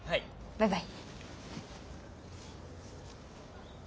バイバイ。